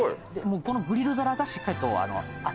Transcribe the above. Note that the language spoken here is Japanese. このグリル皿がしっかりと熱々の状態。